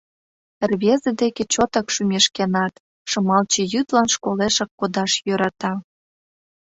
Рвезе деке чотак шӱмешкенат, Шымалче йӱдлан школешак кодаш йӧрата.